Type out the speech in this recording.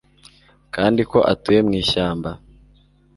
Kandi ko atuye mu ishyamba